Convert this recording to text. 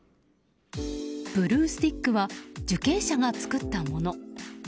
ブルースティックは受刑者が作ったもの。